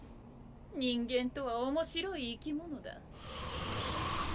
人間とは面白い生き物だ。